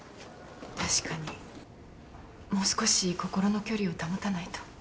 確かにもう少し心の距離を保たないと。